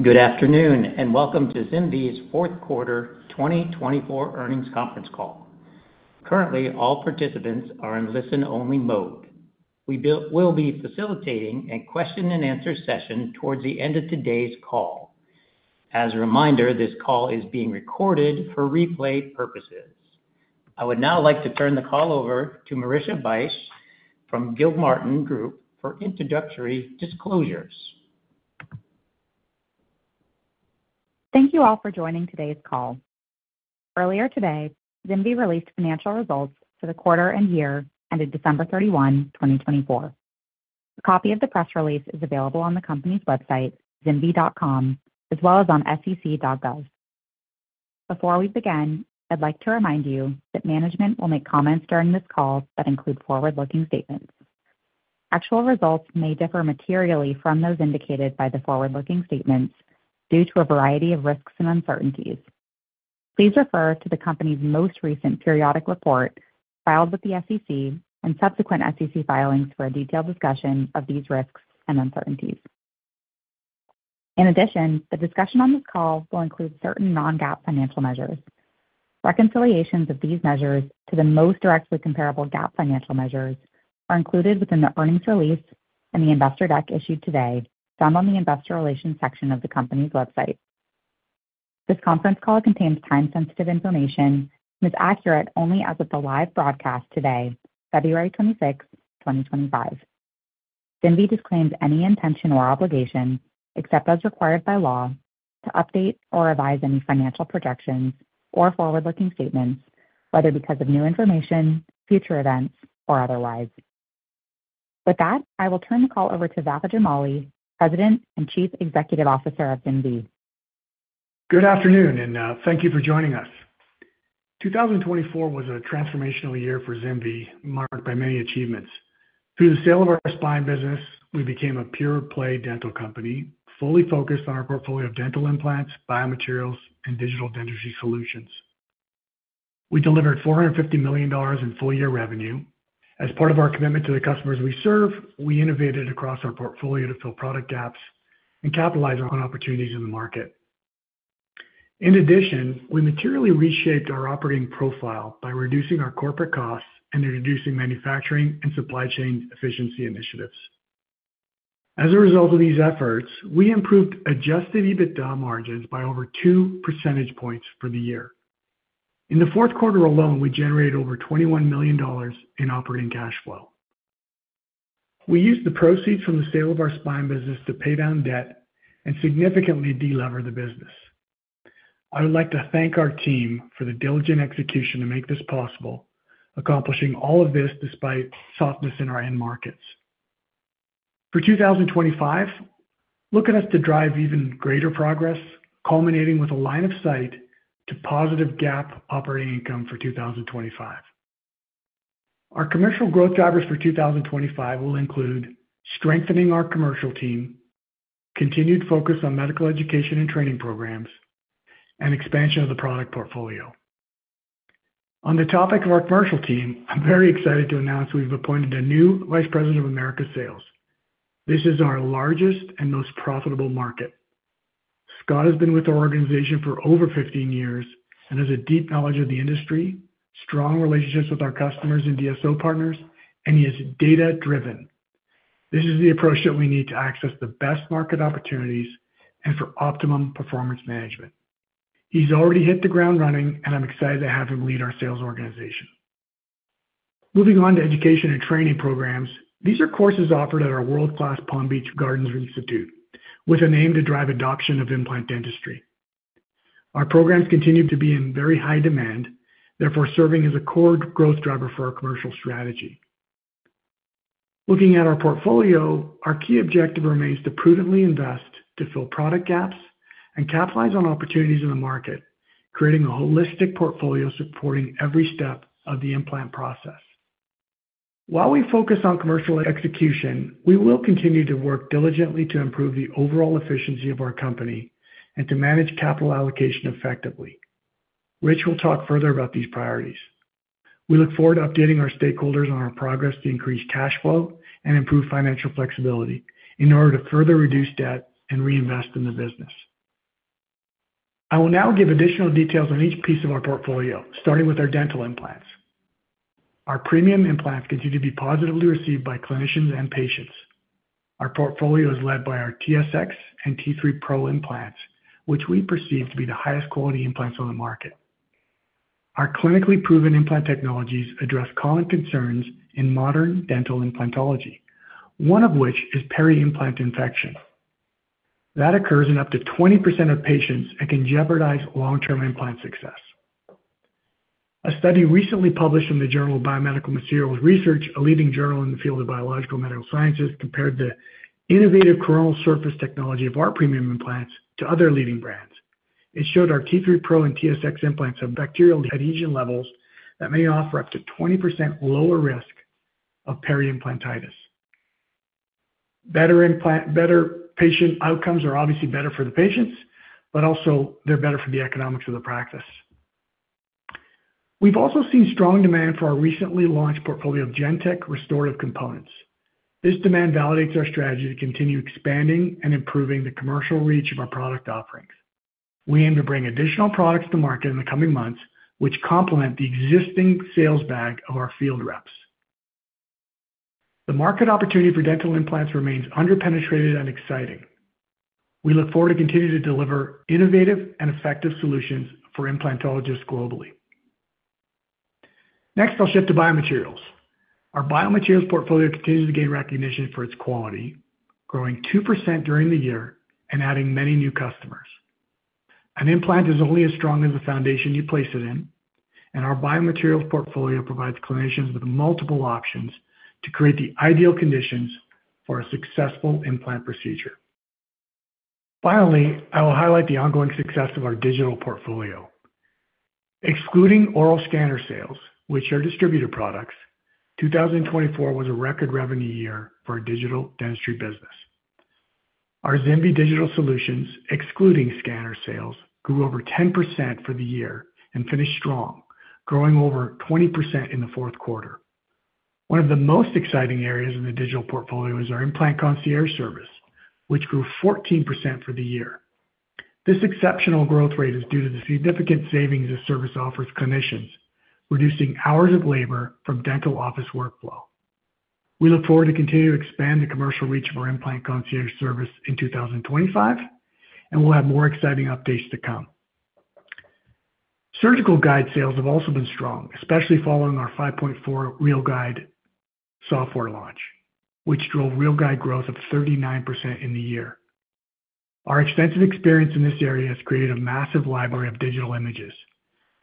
Good afternoon and welcome to ZimVie's fourth quarter 2024 earnings conference call. Currently, all participants are in listen-only mode. We will be facilitating a question-and-answer session towards the end of today's call. As a reminder, this call is being recorded for replay purposes. I would now like to turn the call over to Marissa Bych from Gilmartin Group for introductory disclosures. Thank you all for joining today's call. Earlier today, ZimVie released financial results for the quarter and year ended December 31st, 2024. A copy of the press release is available on the company's website, ZimVie.com, as well as on sec.gov. Before we begin, I'd like to remind you that management will make comments during this call that include forward-looking statements. Actual results may differ materially from those indicated by the forward-looking statements due to ath variety of risks and uncertainties. Please refer to the company's most recent periodic report filed with the SEC and subsequent SEC filings for a detailed discussion of these risks and uncertainties. In addition, the discussion on this call will include certain non-GAAP financial measures. Reconciliations of these measures to the most directly comparable GAAP financial measures are included within the earnings release and the investor deck issued today, found on the investor relations section of the company's website. This conference call contains time-sensitive information and is accurate only as of the live broadcast today, February 26th, 2025. ZimVie disclaims any intention or obligation, except as required by law, to update or revise any financial projections or forward-looking statements, whether because of new information, future events, or otherwise. With that, I will turn the call over to Vafa Jamali, President and Chief Executive Officer of ZimVie. Good afternoon and thank you for joining us. 2024 was a transformational year for ZimVie, marked by many achievements. Through the sale of our spine business, we became a pure-play dental company, fully focused on our portfolio of dental implants, biomaterials, and digital dentistry solutions. We delivered $450 million in full-year revenue. As part of our commitment to the customers we serve, we innovated across our portfolio to fill product gaps and capitalize on opportunities in the market. In addition, we materially reshaped our operating profile by reducing our corporate costs and introducing manufacturing and supply chain efficiency initiatives. As a result of these efforts, we improved Adjusted EBITDA margins by over 2 percentage points for the year. In the fourth quarter alone, we generated over $21 million in operating cash flow. We used the proceeds from the sale of our spine business to pay down debt and significantly delever the business. I would like to thank our team for the diligent execution to make this possible, accomplishing all of this despite softness in our end markets. For 2025, look at us to drive even greater progress, culminating with a line of sight to positive GAAP operating income for 2025. Our commercial growth drivers for 2025 will include strengthening our commercial team, continued focus on medical education and training programs, and expansion of the product portfolio. On the topic of our commercial team, I'm very excited to announce we've appointed a new Vice President of Americas Sales. This is our largest and most profitable market. Scott has been with our organization for over 15 years and has a deep knowledge of the industry, strong relationships with our customers and DSO partners, and he is data-driven. This is the approach that we need to access the best market opportunities and for optimum performance management. He's already hit the ground running, and I'm excited to have him lead our sales organization. Moving on to education and training programs, these are courses offered at our world-class Palm Beach Gardens Institute, with an aim to drive adoption of implant dentistry. Our programs continue to be in very high demand, therefore serving as a core growth driver for our commercial strategy. Looking at our portfolio, our key objective remains to prudently invest to fill product gaps and capitalize on opportunities in the market, creating a holistic portfolio supporting every step of the implant process. While we focus on commercial execution, we will continue to work diligently to improve the overall efficiency of our company and to manage capital allocation effectively. Rich will talk further about these priorities. We look forward to updating our stakeholders on our progress to increase cash flow and improve financial flexibility in order to further reduce debt and reinvest in the business. I will now give additional details on each piece of our portfolio, starting with our dental implants. Our premium implants continue to be positively received by clinicians and patients. Our portfolio is led by our TSX and T3 PRO implants, which we perceive to be the highest quality implants on the market. Our clinically proven implant technologies address common concerns in modern dental implantology, one of which is peri-implant infection. That occurs in up to 20% of patients and can jeopardize long-term implant success. A study recently published in the Journal of Biomedical Materials Research, a leading journal in the field of biological medical sciences, compared the innovative coronal surface technology of our premium implants to other leading brands. It showed our T3 PRO and TSX implants have bacterial adhesion levels that may offer up to 20% lower risk of peri-implantitis. Better patient outcomes are obviously better for the patients, but also they're better for the economics of the practice. We've also seen strong demand for our recently launched portfolio of GenTek restorative components. This demand validates our strategy to continue expanding and improving the commercial reach of our product offerings. We aim to bring additional products to market in the coming months, which complement the existing sales bag of our field reps. The market opportunity for dental implants remains underpenetrated and exciting. We look forward to continuing to deliver innovative and effective solutions for implantologists globally. Next, I'll shift to biomaterials. Our biomaterials portfolio continues to gain recognition for its quality, growing 2% during the year and adding many new customers. An implant is only as strong as the foundation you place it in, and our biomaterials portfolio provides clinicians with multiple options to create the ideal conditions for a successful implant procedure. Finally, I will highlight the ongoing success of our digital portfolio. Excluding oral scanner sales, which are distributed products, 2024 was a record revenue year for our digital dentistry business. Our ZimVie Digital Solutions, excluding scanner sales, grew over 10% for the year and finished strong, growing over 20% in the fourth quarter. One of the most exciting areas in the digital portfolio is our Implant Concierge service, which grew 14% for the year. This exceptional growth rate is due to the significant savings the service offers clinicians, reducing hours of labor from dental office workflow. We look forward to continuing to expand the commercial reach of our Implant Concierge service in 2025, and we'll have more exciting updates to come. Surgical guide sales have also been strong, especially following our 5.4 RealGUIDE software launch, which drove RealGUIDE growth of 39% in the year. Our extensive experience in this area has created a massive library of digital images.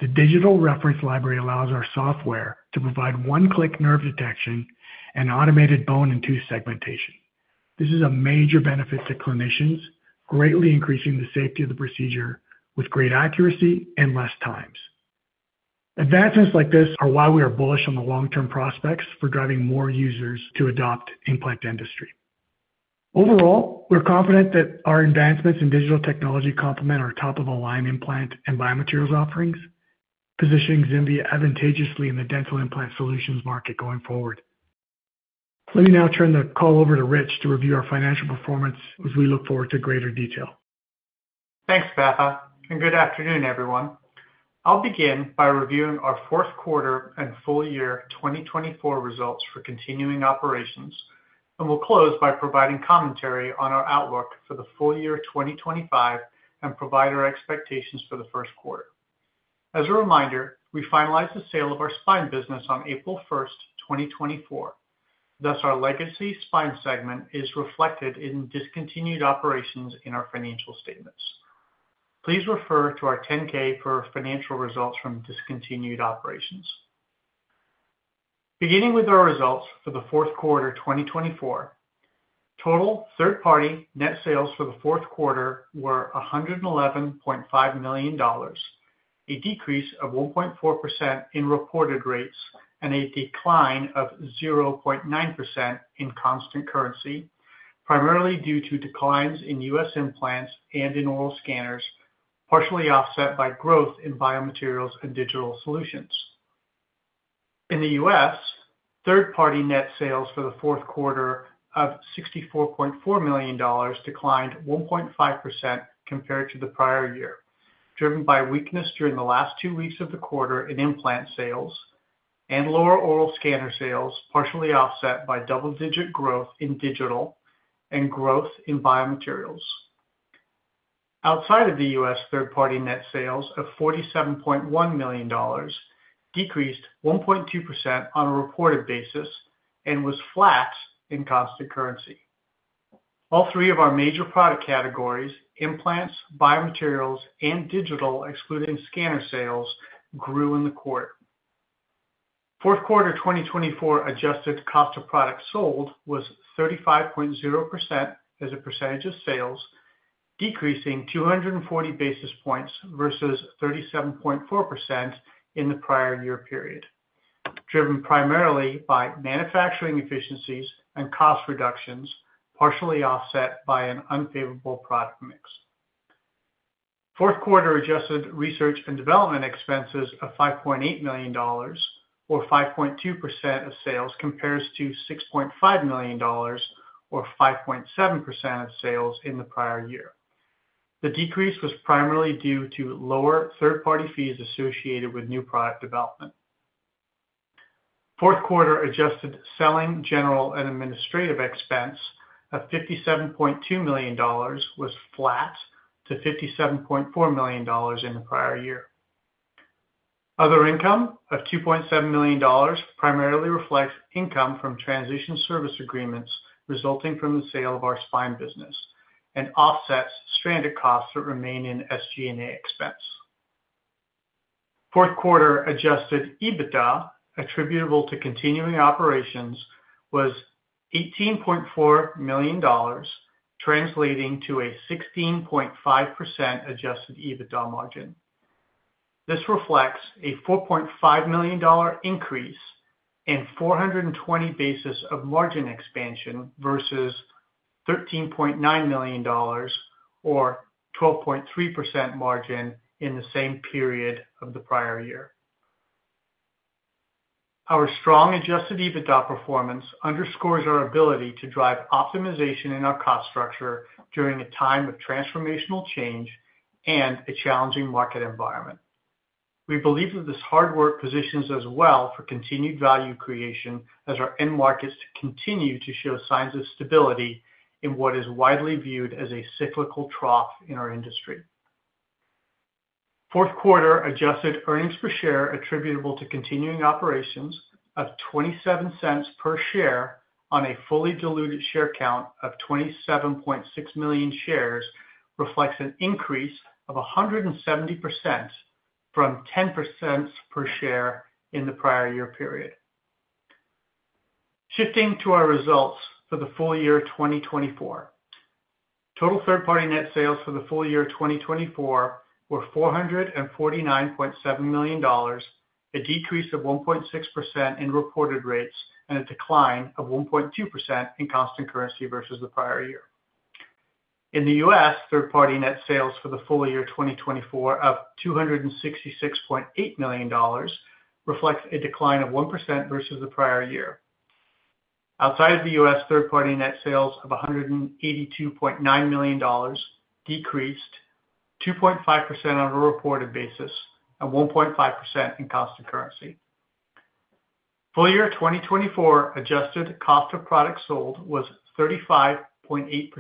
The digital reference library allows our software to provide one-click nerve detection and automated bone and tooth segmentation. This is a major benefit to clinicians, greatly increasing the safety of the procedure with great accuracy and less time. Advancements like this are why we are bullish on the long-term prospects for driving more users to adopt implant dentistry. Overall, we're confident that our advancements in digital technology complement our top-of-the-line implant and biomaterials offerings, positioning ZimVie advantageously in the dental implant solutions market going forward. Let me now turn the call over to Rich to review our financial performance as we look forward to greater detail. Thanks, Vafa. And good afternoon, everyone. I'll begin by reviewing our fourth quarter and full-year 2024 results for continuing operations, and we'll close by providing commentary on our outlook for the full-year 2025 and provide our expectations for the first quarter. As a reminder, we finalized the sale of our spine business on April 1st, 2024. Thus, our legacy spine segment is reflected in discontinued operations in our financial statements. Please refer to our 10-K for financial results from discontinued operations. Beginning with our results for the fourth quarter 2024, total third-party net sales for the fourth quarter were $111.5 million, a decrease of 1.4% in reported rates and a decline of 0.9% in constant currency, primarily due to declines in U.S. implants and in oral scanners, partially offset by growth in biomaterials and digital solutions. In the U.S., third-party net sales for the fourth quarter of $64.4 million declined 1.5% compared to the prior year, driven by weakness during the last two weeks of the quarter in implant sales and lower oral scanner sales, partially offset by double-digit growth in digital and growth in biomaterials. Outside of the U.S., third-party net sales of $47.1 million decreased 1.2% on a reported basis and was flat in constant currency. All three of our major product categories, implants, biomaterials, and digital, excluding scanner sales, grew in the quarter. Fourth quarter 2024 adjusted cost of product sold was 35.0% as 1% of sales, decreasing 240 basis points versus 37.4% in the prior year period, driven primarily by manufacturing efficiencies and cost reductions, partially offset by an unfavorable product mix. Fourth quarter adjusted research and development expenses of $5.8 million, or 5.2% of sales, compares to $6.5 million, or 5.7% of sales in the prior year. The decrease was primarily due to lower third-party fees associated with new product development. Fourth quarter adjusted selling, general, and administrative expense of $57.2 million was flat to $57.4 million in the prior year. Other income of $2.7 million primarily reflects income from transition service agreements resulting from the sale of our spine business and offsets stranded costs that remain in SG&A expense. Fourth quarter Adjusted EBITDA attributable to continuing operations was $18.4 million, translating to a 16.5% Adjusted EBITDA margin. This reflects a $4.5 million increase and 420 basis points of margin expansion versus $13.9 million, or 12.3% margin in the same period of the prior year. Our strong Adjusted EBITDA performance underscores our ability to drive optimization in our cost structure during a time of transformational change and a challenging market environment. We believe that this hard work positions us well for continued value creation as our end markets continue to show signs of stability in what is widely viewed as a cyclical trough in our industry. Fourth quarter adjusted earnings per share attributable to continuing operations of $0.27 per share on a fully diluted share count of 27.6 million shares reflects an increase of 170% from $0.10 per share in the prior year period. Shifting to our results for the full year 2024, total third-party net sales for the full year 2024 were $449.7 million, a decrease of 1.6% in reported rates and a decline of 1.2% in constant currency versus the prior year. In the U.S., third-party net sales for the full year 2024 of $266.8 million reflects a decline of 1% versus the prior year. Outside of the U.S., third-party net sales of $182.9 million decreased 2.5% on a reported basis and 1.5% in constant currency. Full year 2024 adjusted cost of product sold was 35.8%,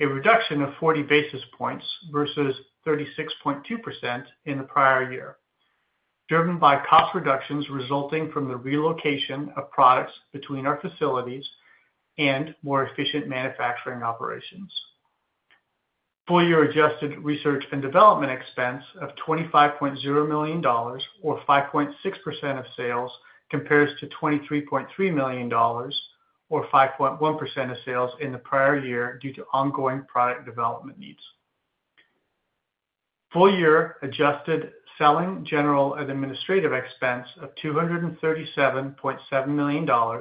a reduction of 40 basis points versus 36.2% in the prior year, driven by cost reductions resulting from the relocation of products between our facilities and more efficient manufacturing operations. Full year adjusted research and development expense of $25.0 million, or 5.6% of sales, compares to $23.3 million, or 5.1% of sales in the prior year due to ongoing product development needs. Full year adjusted selling, general, and administrative expense of $237.7 million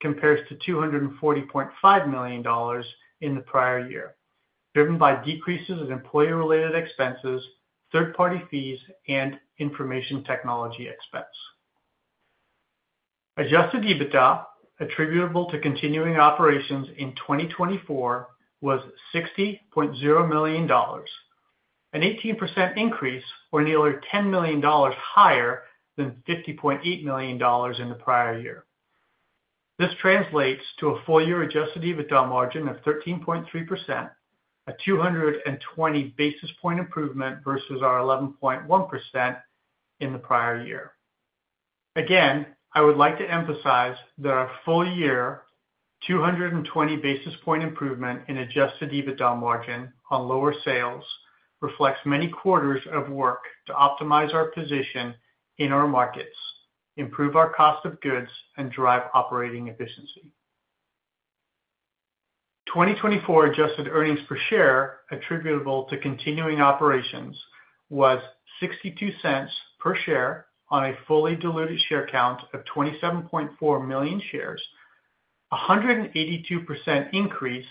compares to $240.5 million in the prior year, driven by decreases in employee-related expenses, third-party fees, and information technology expense. Adjusted EBITDA attributable to continuing operations in 2024 was $60.0 million, an 18% increase or nearly $10 million higher than $50.8 million in the prior year. This translates to a full year Adjusted EBITDA margin of 13.3%, a 220 basis point improvement versus our 11.1% in the prior year. Again, I would like to emphasize that our full year 220 basis point improvement in Adjusted EBITDA margin on lower sales reflects many quarters of work to optimize our position in our markets, improve our cost of goods, and drive operating efficiency. 2024 adjusted earnings per share attributable to continuing operations was $0.62 per share on a fully diluted share count of 27.4 million shares, a 182% increase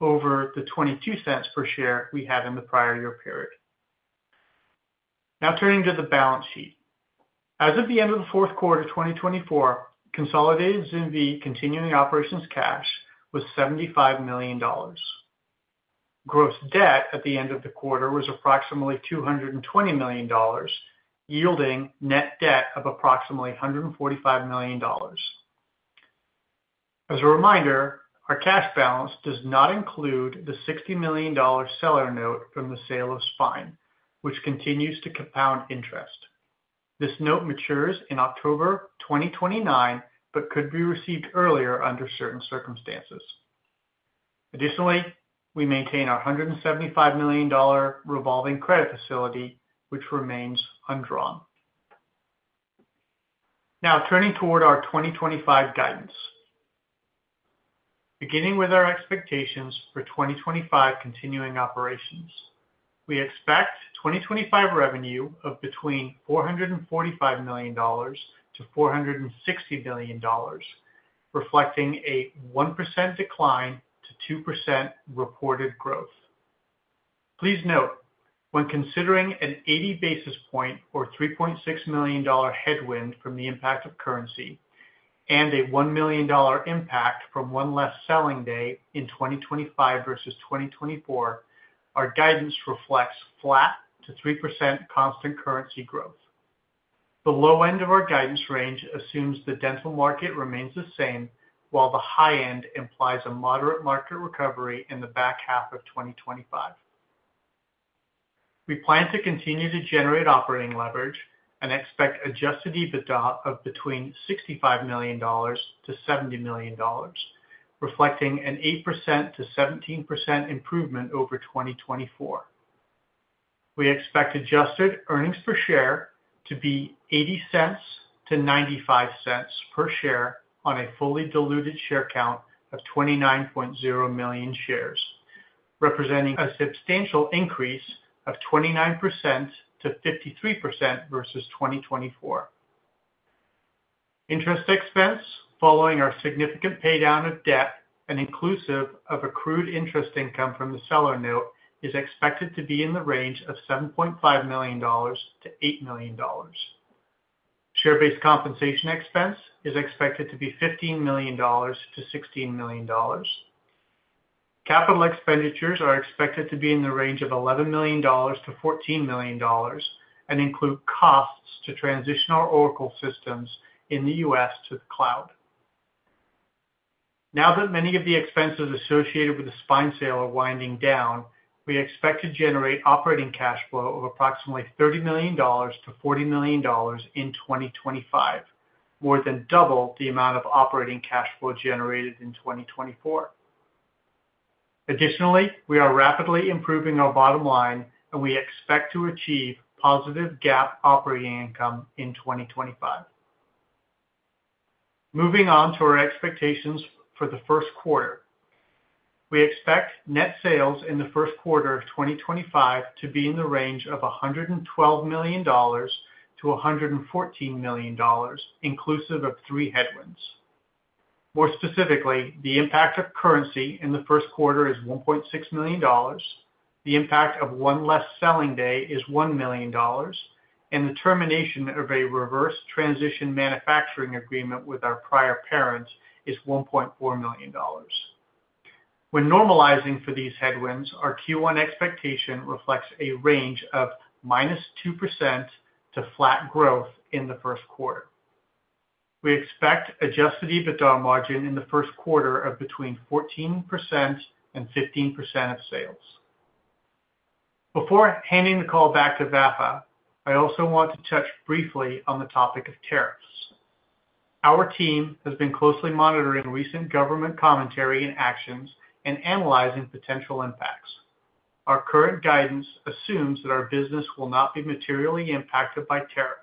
over the $0.22 per share we had in the prior year period. Now turning to the balance sheet. As of the end of the fourth quarter 2024, consolidated ZimVie continuing operations cash was $75 million. Gross debt at the end of the quarter was approximately $220 million, yielding net debt of approximately $145 million. As a reminder, our cash balance does not include the $60 million seller note from the sale of spine, which continues to compound interest. This note matures in October 2029, but could be received earlier under certain circumstances. Additionally, we maintain our $175 million revolving credit facility, which remains undrawn. Now turning toward our 2025 guidance. Beginning with our expectations for 2025 continuing operations, we expect 2025 revenue of between $445 million-$460 million, reflecting a 1% decline to 2% reported growth. Please note, when considering an 80 basis points or $3.6 million headwind from the impact of currency and a $1 million impact from one less selling day in 2025 versus 2024, our guidance reflects flat to 3% constant currency growth. The low end of our guidance range assumes the dental market remains the same, while the high end implies a moderate market recovery in the back half of 2025. We plan to continue to generate operating leverage and expect Adjusted EBITDA of between $65 million-$70 million, reflecting an 8%-17% improvement over 2024. We expect adjusted earnings per share to be $0.80-$0.95 per share on a fully diluted share count of 29.0 million shares, representing a substantial increase of 29%-53% versus 2024. Interest expense, following our significant paydown of debt and inclusive of accrued interest income from the seller note, is expected to be in the range of $7.5 million-$8 million. Share-based compensation expense is expected to be $15 million-$16 million. Capital expenditures are expected to be in the range of $11 million-$14 million and include costs to transition our Oracle systems in the U.S. to the cloud. Now that many of the expenses associated with the spine sale are winding down, we expect to generate operating cash flow of approximately $30 million-$40 million in 2025, more than double the amount of operating cash flow generated in 2024. Additionally, we are rapidly improving our bottom line, and we expect to achieve positive GAAP operating income in 2025. Moving on to our expectations for the first quarter, we expect net sales in the first quarter of 2025 to be in the range of $112 million-$114 million, inclusive of three headwinds. More specifically, the impact of currency in the first quarter is $1.6 million, the impact of one less selling day is $1 million, and the termination of a reverse transition manufacturing agreement with our prior parent is $1.4 million. When normalizing for these headwinds, our Q1 expectation reflects a range of minus 2% to flat growth in the first quarter. We expect Adjusted EBITDA margin in the first quarter of between 14% and 15% of sales. Before handing the call back to Vafa, I also want to touch briefly on the topic of tariffs. Our team has been closely monitoring recent government commentary and actions and analyzing potential impacts. Our current guidance assumes that our business will not be materially impacted by tariffs.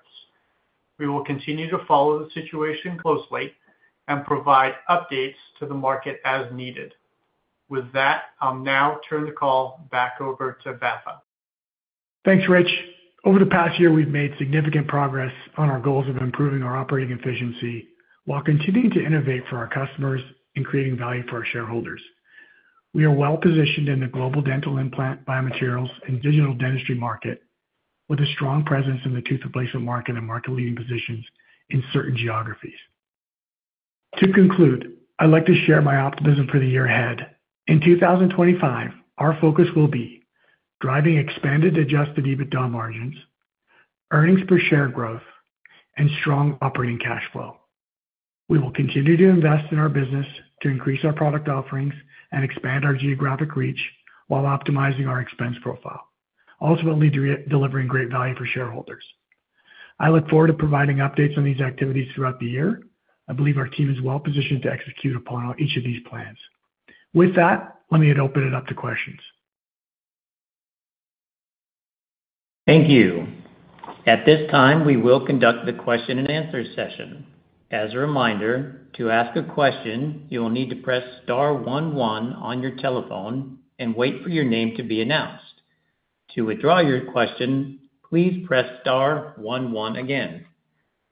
We will continue to follow the situation closely and provide updates to the market as needed. With that, I'll now turn the call back over to Vafa. Thanks, Rich. Over the past year, we've made significant progress on our goals of improving our operating efficiency while continuing to innovate for our customers and creating value for our shareholders. We are well positioned in the global dental implant biomaterials and digital dentistry market with a strong presence in the tooth replacement market and market-leading positions in certain geographies. To conclude, I'd like to share my optimism for the year ahead. In 2025, our focus will be driving expanded Adjusted EBITDA margins, earnings per share growth, and strong operating cash flow. We will continue to invest in our business to increase our product offerings and expand our geographic reach while optimizing our expense profile, ultimately delivering great value for shareholders. I look forward to providing updates on these activities throughout the year. I believe our team is well positioned to execute upon each of these plans. With that, let me open it up to questions. Thank you. At this time, we will conduct the question-and-answer session. As a reminder, to ask a question, you will need to press star one one on your telephone and wait for your name to be announced. To withdraw your question, please press star one one again.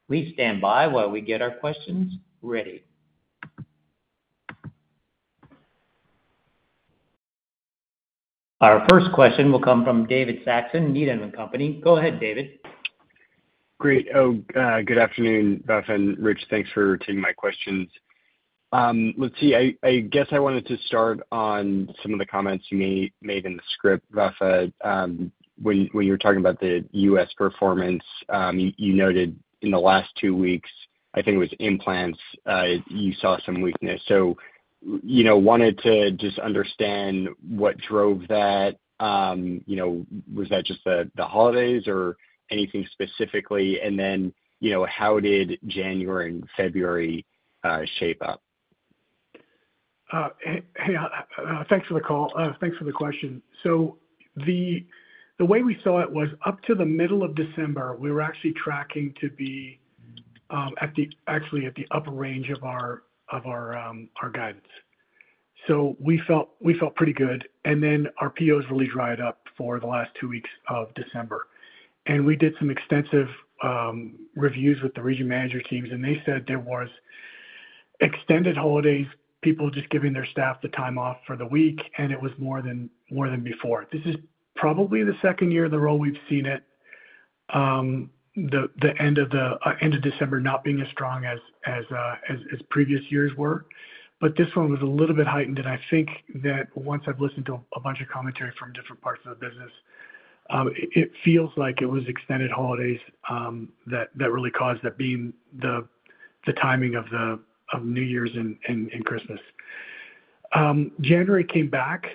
Please stand by while we get our questions ready. Our first question will come from David Saxon, Needham & Company. Go ahead, David. Great. Oh, good afternoon, Vafa and Rich. Thanks for taking my questions. Let's see. I guess I wanted to start on some of the comments you made in the script, Vafa. When you were talking about the U.S. performance, you noted in the last two weeks, I think it was implants, you saw some weakness. So I wanted to just understand what drove that. Was that just the holidays or anything specifically? And then how did January and February shape up? Hey, thanks for the call. Thanks for the question. So the way we saw it was up to the middle of December, we were actually tracking to be actually at the upper range of our guidance. So we felt pretty good. And then our POs really dried up for the last two weeks of December. We did some extensive reviews with the region manager teams, and they said there were extended holidays, people just giving their staff the time off for the week, and it was more than before. This is probably the second year in a row we've seen it, the end of December not being as strong as previous years were. This one was a little bit heightened. I think that once I've listened to a bunch of commentary from different parts of the business, it feels like it was extended holidays that really caused that being the timing of New Year's and Christmas. January came back.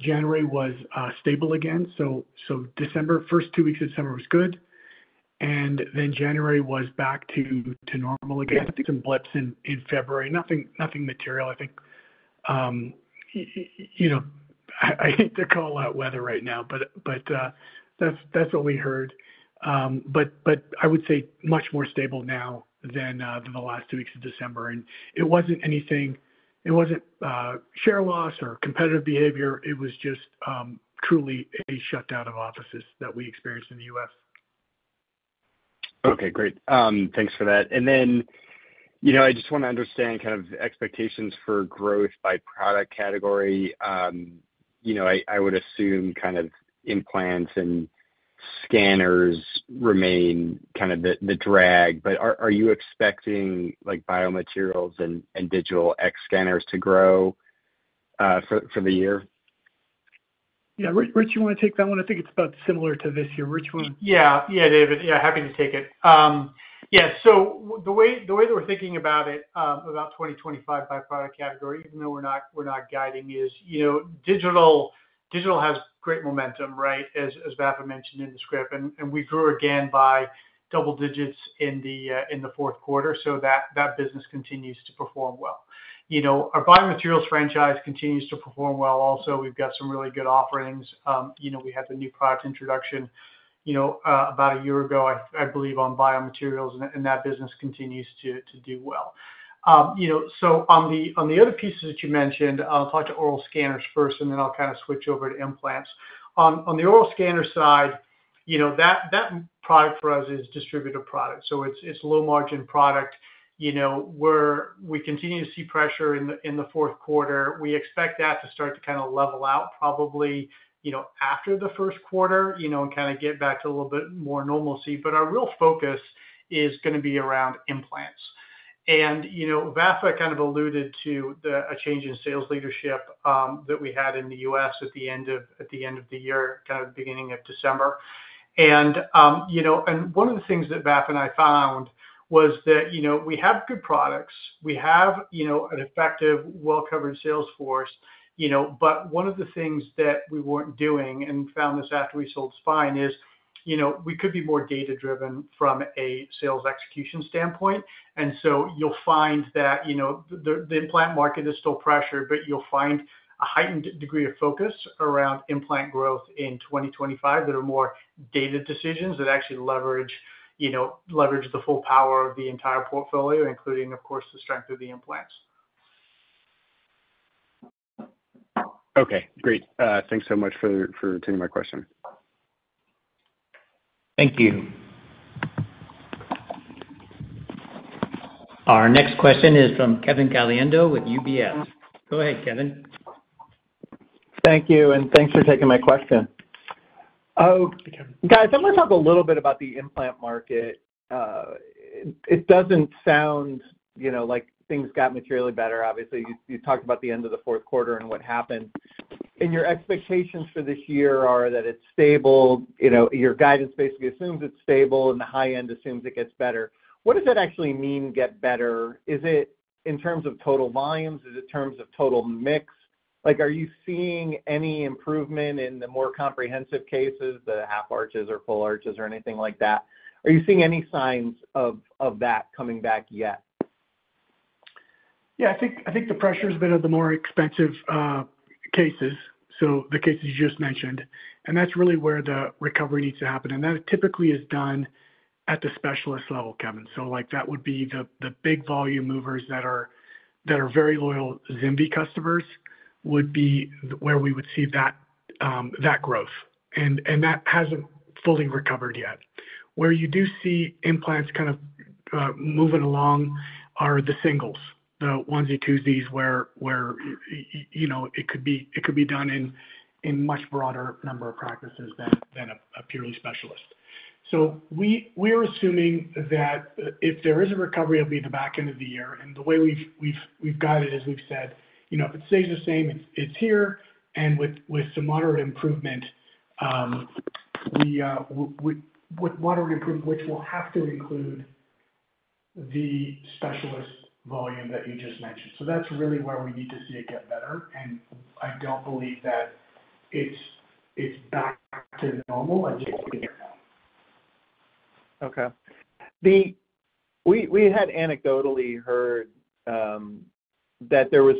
January was stable again. First two weeks of December was good. Then January was back to normal again. Some blips in February. Nothing material. I think I hate to call out weather right now, but that's what we heard. But I would say much more stable now than the last two weeks of December. And it wasn't share loss or competitive behavior. It was just truly a shutdown of offices that we experienced in the U.S. Okay. Great. Thanks for that. And then I just want to understand kind of expectations for growth by product category. I would assume kind of implants and scanners remain kind of the drag. But are you expecting biomaterials and digital X scanners to grow for the year? Yeah. Rich, you want to take that one? I think it's about similar to this year. Rich, you want to? Yeah. Yeah, David. Yeah. Happy to take it. Yeah. So the way that we're thinking about it, about 2025 by product category, even though we're not guiding, is digital has great momentum, right, as Vafa mentioned in the script. We grew again by double digits in the fourth quarter. That business continues to perform well. Our biomaterials franchise continues to perform well. Also, we've got some really good offerings. We had the new product introduction about a year ago, I believe, on biomaterials, and that business continues to do well. On the other pieces that you mentioned, I'll talk to oral scanners first, and then I'll kind of switch over to implants. On the oral scanner side, that product for us is distributed product. It's a low-margin product. We continue to see pressure in the fourth quarter. We expect that to start to kind of level out probably after the first quarter and kind of get back to a little bit more normalcy. Our real focus is going to be around implants. Vafa kind of alluded to a change in sales leadership that we had in the U.S. at the end of the year, kind of beginning of December. And one of the things that Vafa and I found was that we have good products. We have an effective, well-covered sales force. But one of the things that we weren't doing and found this after we sold spine is we could be more data-driven from a sales execution standpoint. And so you'll find that the implant market is still pressured, but you'll find a heightened degree of focus around implant growth in 2025 that are more data decisions that actually leverage the full power of the entire portfolio, including, of course, the strength of the implants. Okay. Great. Thanks so much for taking my question. Thank you. Our next question is from Kevin Caliendo with UBS. Go ahead, Kevin. Thank you. Thanks for taking my question. Oh, guys, I want to talk a little bit about the implant market. It doesn't sound like things got materially better. Obviously, you talked about the end of the fourth quarter and what happened. Your expectations for this year are that it's stable. Your guidance basically assumes it's stable, and the high end assumes it gets better. What does that actually mean, get better? Is it in terms of total volumes? Is it in terms of total mix? Are you seeing any improvement in the more comprehensive cases, the half arches or full arches or anything like that? Are you seeing any signs of that coming back yet? Yeah. I think the pressure has been on the more expensive cases, so the cases you just mentioned. That's really where the recovery needs to happen. That typically is done at the specialist level, Kevin. So that would be the big volume movers that are very loyal ZimVie customers would be where we would see that growth. That hasn't fully recovered yet. Where you do see implants kind of moving along are the singles, the onesie, twosies where it could be done in a much broader number of practices than a purely specialist. We are assuming that if there is a recovery, it'll be at the back end of the year. The way we've got it is we've said, "If it stays the same, it's here." With some moderate improvement, which will have to include the specialist volume that you just mentioned. That's really where we need to see it get better. I don't believe that it's back to normal. I think we're here. Okay. We had anecdotally heard that there was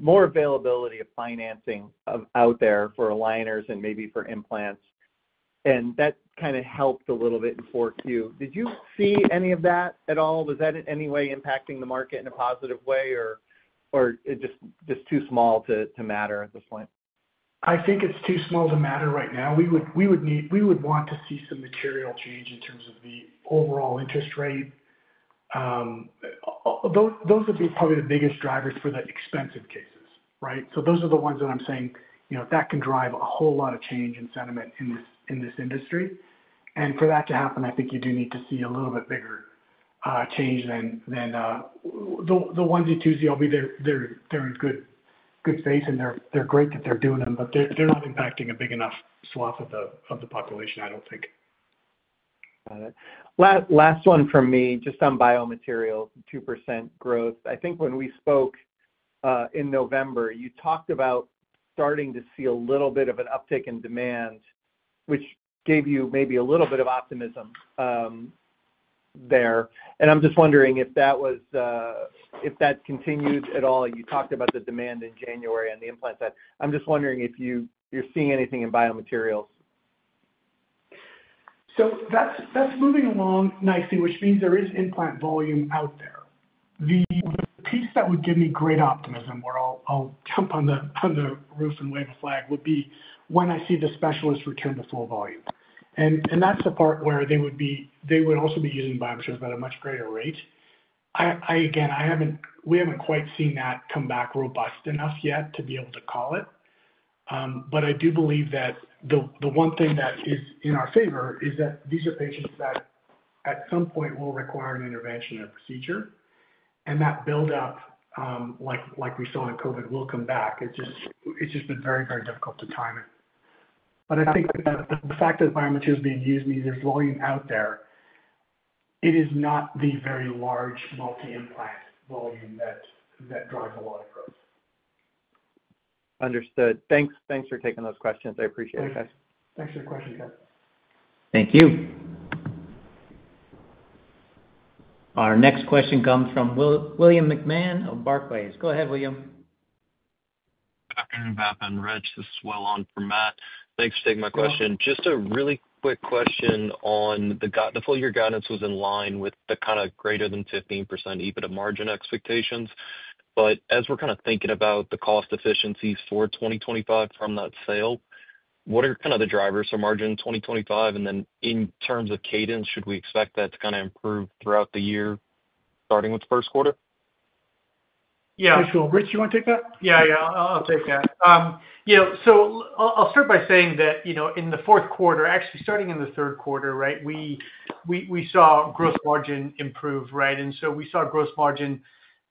more availability of financing out there for aligners and maybe for implants, and that kind of helped a little bit in the fourth quarter. Did you see any of that at all? Was that in any way impacting the market in a positive way, or just too small to matter at this point? I think it's too small to matter right now. We would want to see some material change in terms of the overall interest rate. Those would be probably the biggest drivers for the expensive cases, right, so those are the ones that I'm saying that can drive a whole lot of change and sentiment in this industry, and for that to happen, I think you do need to see a little bit bigger change than the onesie, twosie albeit will be there in good faith, and they're great that they're doing them, but they're not impacting a big enough swath of the population, I don't think. Got it. Last one from me, just on biomaterials, 2% growth. I think when we spoke in November, you talked about starting to see a little bit of an uptick in demand, which gave you maybe a little bit of optimism there, and I'm just wondering if that continued at all. You talked about the demand in January on the implant side. I'm just wondering if you're seeing anything in biomaterials, so that's moving along nicely, which means there is implant volume out there. The piece that would give me great optimism, where I'll jump on the roof and wave a flag, would be when I see the specialists return to full volume. And that's the part where they would also be using biomaterials at a much greater rate. Again, we haven't quite seen that come back robust enough yet to be able to call it. But I do believe that the one thing that is in our favor is that these are patients that at some point will require an intervention or procedure. And that build-up, like we saw in COVID, will come back. It's just been very, very difficult to time it. But I think the fact that biomaterials are being used means there's volume out there. It is not the very large multi-implant volume that drives a lot of growth. Understood. Thanks for taking those questions. I appreciate it, guys. Thanks for your questions, guys. Thank you. Our next question comes from William McMahon of Barclays. Go ahead, Will. Good afternoon, Vafa and Rich. This is Will on for Matt. Thanks for taking my question. Just a really quick question on the full-year guidance was in line with the kind of greater than 15% EBITDA margin expectations. But as we're kind of thinking about the cost efficiencies for 2025 from that sale, what are kind of the drivers for margin in 2025? And then in terms of cadence, should we expect that to kind of improve throughout the year, starting with the first quarter? Yeah. Rich, do you want to take that? Yeah, yeah. I'll take that. So I'll start by saying that in the fourth quarter, actually starting in the third quarter, right, we saw gross margin improve, right? And so we saw gross margin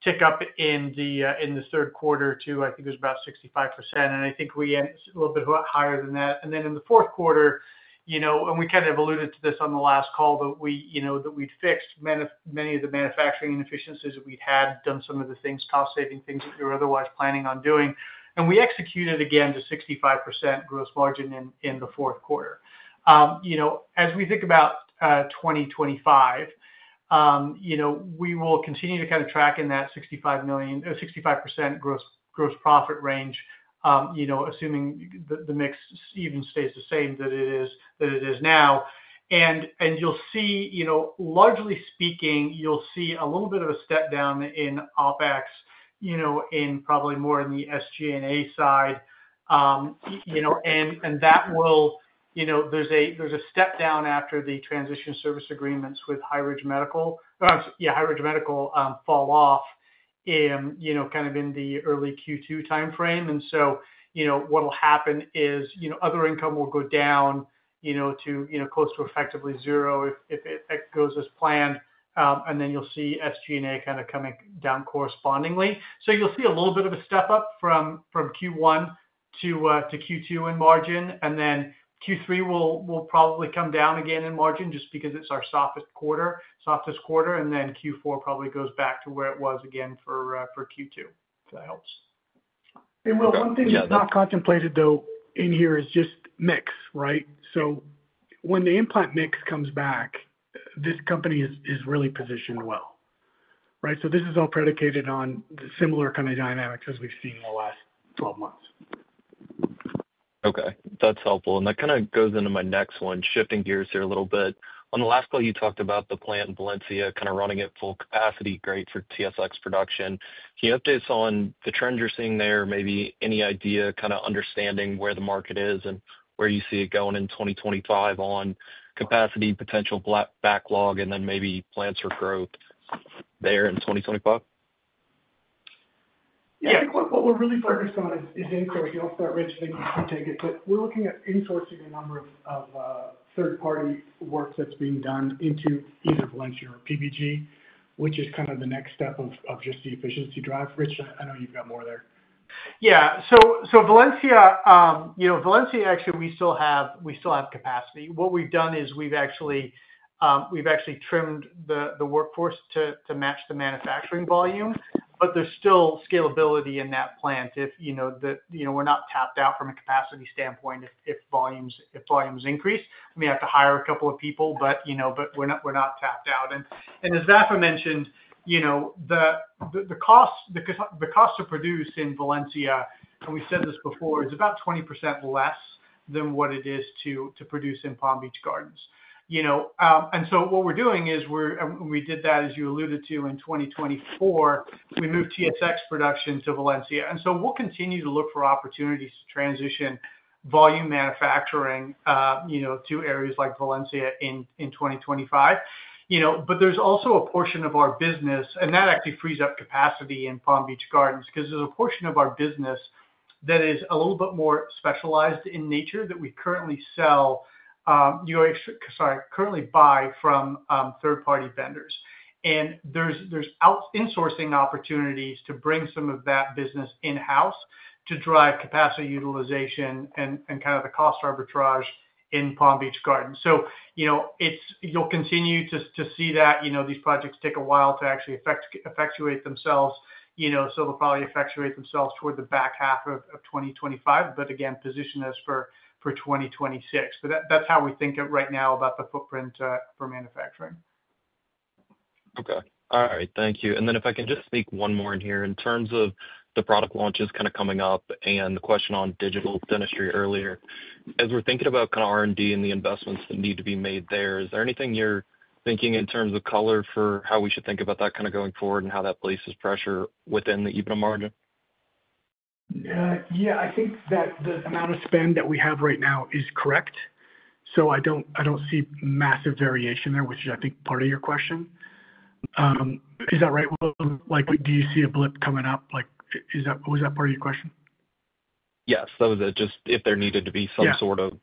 tick up in the third quarter too, I think it was about 65%. And I think we ended a little bit higher than that. Then in the fourth quarter, we kind of alluded to this on the last call, that we'd fixed many of the manufacturing inefficiencies that we'd had, done some of the things, cost-saving things that we were otherwise planning on doing. We executed again to 65% gross margin in the fourth quarter. As we think about 2025, we will continue to kind of track in that 65% gross profit range, assuming the mix even stays the same that it is now. You'll see, largely speaking, a little bit of a step down in OpEx, probably more in the SG&A side. That will, there's a step down after the transition service agreements with Highridge Medical. Yeah, Highridge Medical fall off kind of in the early Q2 timeframe. And so what'll happen is other income will go down to close to effectively zero if it goes as planned. And then you'll see SG&A kind of coming down correspondingly. So you'll see a little bit of a step up from Q1 to Q2 in margin. And then Q3 will probably come down again in margin just because it's our softest quarter. And then Q4 probably goes back to where it was again for Q2. If that helps. And, well, one thing that's not contemplated, though, in here is just mix, right? So when the implant mix comes back, this company is really positioned well, right? So this is all predicated on similar kind of dynamics as we've seen in the last 12 months. Okay. That's helpful. And that kind of goes into my next one, shifting gears here a little bit. On the last call, you talked about the plant in Valencia, kind of running at full capacity, great for TSX production. Can you update us on the trends you're seeing there? Maybe any idea, kind of understanding where the market is and where you see it going in 2025 on capacity, potential backlog, and then maybe plans for growth there in 2025? Yeah. I think what we're really focused on is insourcing. I'll start, Rich, and then you can take it. But we're looking at insourcing a number of third-party work that's being done into either Valencia or PBG, which is kind of the next step of just the efficiency drive. Rich, I know you've got more there. Yeah. So Valencia, actually, we still have capacity. What we've done is we've actually trimmed the workforce to match the manufacturing volume, but there's still scalability in that plant. We're not tapped out from a capacity standpoint if volumes increase. We may have to hire a couple of people, but we're not tapped out, and as Vafa mentioned, the cost to produce in Valencia, and we've said this before, is about 20% less than what it is to produce in Palm Beach Gardens, and so what we're doing is we did that, as you alluded to, in 2024. We moved TSX production to Valencia, and so we'll continue to look for opportunities to transition volume manufacturing to areas like Valencia in 2025, but there's also a portion of our business, and that actually frees up capacity in Palm Beach Gardens because there's a portion of our business that is a little bit more specialized in nature that we currently sell, sorry, currently buy from third-party vendors. And there's insourcing opportunities to bring some of that business in-house to drive capacity utilization and kind of the cost arbitrage in Palm Beach Gardens. So you'll continue to see that these projects take a while to actually effectuate themselves. So they'll probably effectuate themselves toward the back half of 2025, but again, position us for 2026. But that's how we think of it right now about the footprint for manufacturing. Okay. All right. Thank you. And then if I can just speak one more in here in terms of the product launches kind of coming up and the question on digital dentistry earlier. As we're thinking about kind of R&D and the investments that need to be made there, is there anything you're thinking in terms of color for how we should think about that kind of going forward and how that places pressure within the EBITDA margin? Yeah. I think that the amount of spend that we have right now is correct. So I don't see massive variation there, which is, I think, part of your question. Is that right? Do you see a blip coming up? Was that part of your question? Yes. That was just if there needed to be some sort of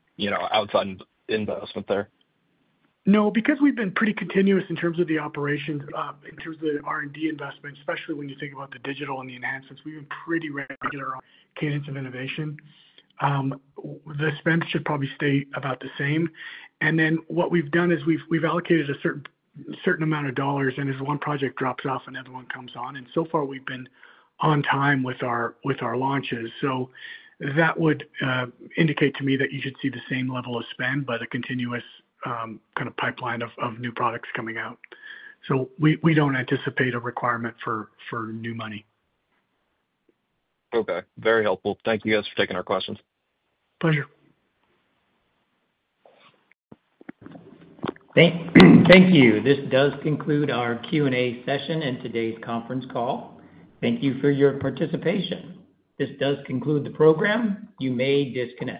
outside investment there. No, because we've been pretty continuous in terms of the operations, in terms of the R&D investment, especially when you think about the digital and the enhancements. We've been pretty regular cadence of innovation. The spend should probably stay about the same, and then what we've done is we've allocated a certain amount of dollars, and as one project drops off, another one comes on. And so far, we've been on time with our launches. So that would indicate to me that you should see the same level of spend by the continuous kind of pipeline of new products coming out. So we don't anticipate a requirement for new money. Okay. Very helpful. Thank you, guys, for taking our questions. Pleasure. Thank you. This does conclude our Q&A session and today's conference call. Thank you for your participation. This does conclude the program. You may disconnect.